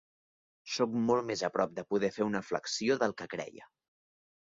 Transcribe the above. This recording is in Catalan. Soc molt més a prop de poder fer una flexió del que creia.